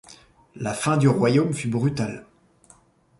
La fin du royaume fut brutale.